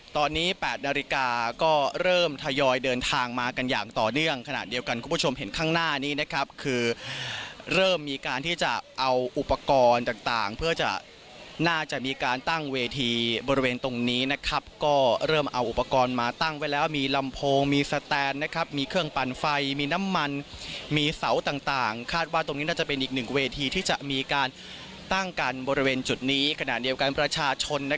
ตอนนี้แปดนาฬิกาก็เริ่มทยอยเดินทางมากันอย่างต่อเนื่องขนาดเดียวกันคุณผู้ชมเห็นข้างหน้านี้นะครับคือเริ่มมีการที่จะเอาอุปกรณ์ต่างเพื่อจะน่าจะมีการตั้งเวทีบริเวณตรงนี้นะครับก็เริ่มเอาอุปกรณ์มาตั้งไว้แล้วมีลำโพงมีสแตนนะครับมีเครื่องปั่นไฟมีน้ำมันมีเสาต่างคาดว่าตรงนี้น่าจะเป็นอ